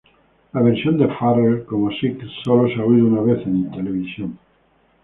La versión de Farrell como Six sólo se ha oído una vez en televisión.